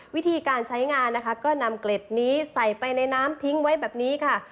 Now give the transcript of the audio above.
วิธีการใช้งานนะคะก็นำเกล็ดนี้ใส่ไปในน้ำทิ้งไว้แบบนี้ค่ะ